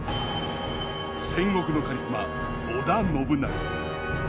戦国のカリスマ織田信長。